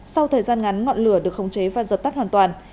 sau thời gian ngắn ngọn lửa được không cháy và giật tắt hoàn toàn